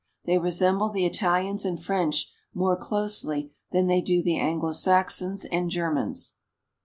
They resemble the Italians and French more closely than they do the Anglo Saxons and Germans.